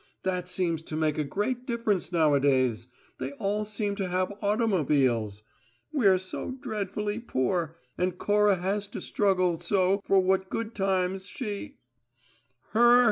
That seems to make a great difference nowadays; they all seem to have automobiles. We're so dreadfully poor, and Cora has to struggle so for what good times she " "Her?"